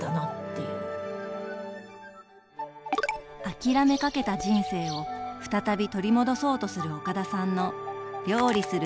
諦めかけた人生を再び取り戻そうとする岡田さんの「料理する日々」を描きます。